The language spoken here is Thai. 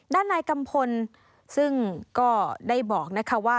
ด้านนายกัมพลซึ่งก็ได้บอกนะคะว่า